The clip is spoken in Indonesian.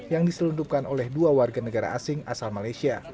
yang diselundupkan oleh dua warga negara asing asal malaysia